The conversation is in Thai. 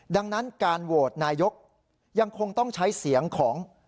ดังนั้นการโหวตนายกยังคงต้องใช้เสียงของ